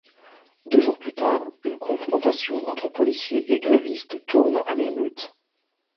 Deux jours plus tard une confrontation entre policiers et grévistes tourne à l'émeute.